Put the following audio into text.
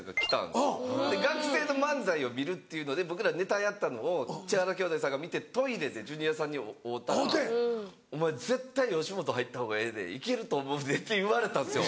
で学生の漫才を見るっていうので僕らネタやったのを千原兄弟さんが見てトイレでジュニアさんに会うたら「お前絶対吉本入った方がええでいけると思うで」って言われたんですよ。